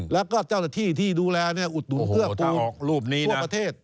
แล้วก็เจ้าหน้าที่ที่ดูแลอุดหนุนเกื้อกูลทั่วประเทศ